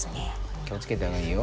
気を付けた方がいいよ。